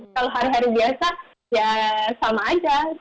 kalau hari hari biasa ya sama aja